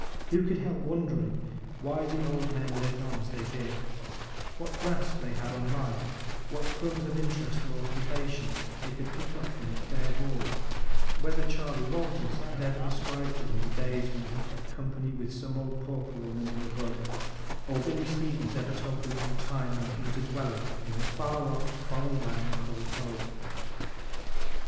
Who could help wondering why the old men lived on as they did; what grasp they had on life; what crumbs of interest or occupation they could pick up from its bare board; whether Charley Walters had ever described to them the days when he kept company with some old pauper woman in the bud, or Billy Stevens ever told them of the time when he was a dweller in the far off foreign land called Home!